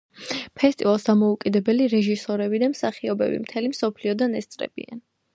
ფესტივალს დამოუკიდებელი რეჟისორები და მსახიობები მთელი მსოფლიოდან ესწრებიან.